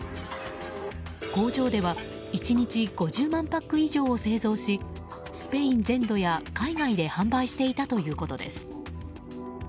工場では１日５０万パック以上を製造しスペイン全土や海外で販売していたということです。